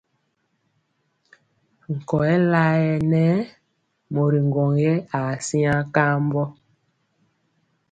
Nkɔyɛ layɛ nɛ mori ŋgwɔŋ yɛ aa siŋa kambɔ.